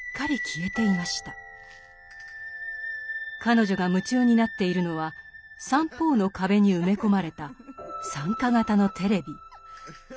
彼女が夢中になっているのは三方の壁に埋め込まれた参加型のテレビ。